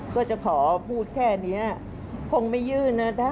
ก็จะขอพูดแค่นี้คงไม่ยื่นนะ